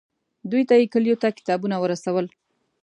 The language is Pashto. دوی ته یې کلیو ته کتابونه ورسول.